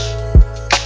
terima kasih ya allah